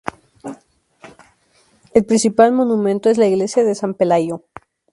El principal monumento es la iglesia de San Pelayo.